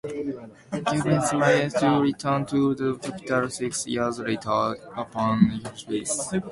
George managed to return to the capital six years later, upon Konstantin's death.